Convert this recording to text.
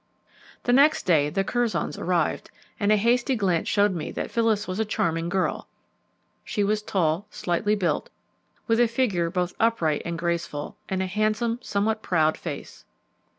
The next day the Curzons arrived, and a hasty glance showed me that Phyllis was a charming girl. She was tall, slightly built, with a figure both upright and graceful, and a handsome, somewhat proud face.